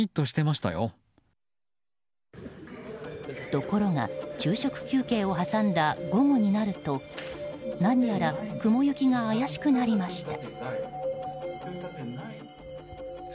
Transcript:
ところが、昼食休憩を挟んだ午後になると何やら雲行きが怪しくなりました。